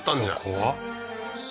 怖っ